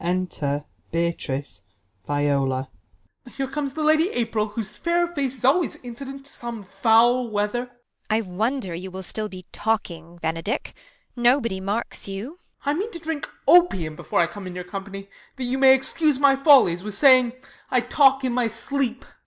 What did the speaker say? Enter Beatrice, Viola. Ben. Here comes the Lady April, whose fair face Is always incident to some foul weather. Beat. I wonder you Avill still be talking. Benedick ; Nobody marks you. Ben. I mean to drink THE LAW AGAINST LOVERS. 135 Opium before I come in your company, That you may excuse my follies, With saying, I talk in my sleep.